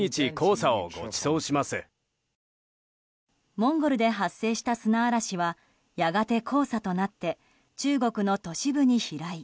モンゴルで発生した砂嵐はやがて黄砂となって中国の都市部に飛来。